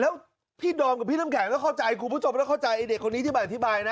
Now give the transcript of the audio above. แล้วพี่ดอมกับพี่น้ำแข็งต้องเข้าใจคุณผู้ชมแล้วเข้าใจไอ้เด็กคนนี้ที่มาอธิบายนะ